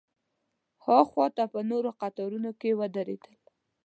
ها خوا ته په نورو قطارونو کې ودرېدل.